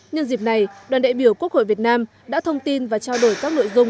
nhân dịp này đoàn đại biểu quốc hội việt nam đã thông tin và trao đổi các nội dung